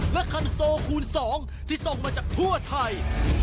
และคันโซคูณ๒ที่ส่งมาจากทั่วไทย